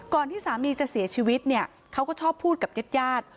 ก่อนที่สามีจะเสียชีวิตเขาก็ชอบพูดกับเย็ด